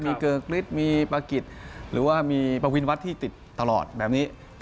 มีเกอร์อังกฤษมีประกิษหรือว่ามีประวินวัฒน์ที่ติดตลอดแบบนี้